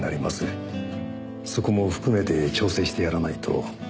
そこも含めて調整してやらないと。